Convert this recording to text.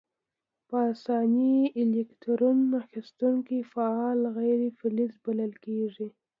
په آساني الکترون اخیستونکي فعال غیر فلز بلل کیږي.